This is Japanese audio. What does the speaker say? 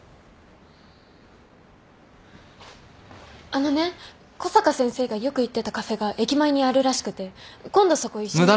あのね小坂先生がよく行ってたカフェが駅前にあるらしくて今度そこ一緒に。